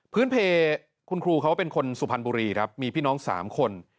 เพลคุณครูเขาเป็นคนสุพรรณบุรีครับมีพี่น้อง๓คน